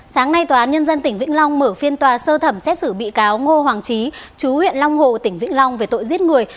sáng nay tòa án nhân dân tỉnh vĩnh long mở phiên tòa sơ thẩm xét xử bị cáo ngô hoàng trí chú huyện long hồ tỉnh vĩnh long về tội giết người